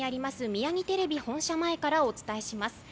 ミヤギテレビ本社前からお伝えします。